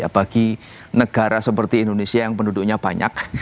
bagi negara seperti indonesia yang penduduknya banyak